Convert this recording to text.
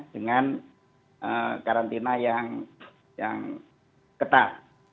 dengan karantina yang ketat